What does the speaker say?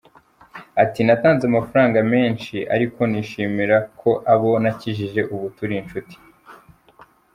Ati “Natanze amafaranga menshi ariko nishimira ko abo nakijije ubu turi inshuti.